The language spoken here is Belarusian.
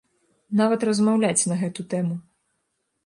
Нават размаўляць на гэту тэму.